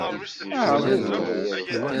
Ɛṛeḍ ugar.